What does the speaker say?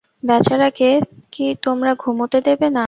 বেচারাকে কি তোমরা ঘুমুতে দেবে না?